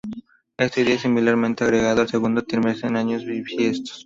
Este día es similarmente agregado al segundo trimestre en años bisiestos.